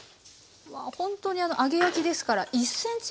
うわほんとにあの揚げ焼きですから１ｃｍ深さ。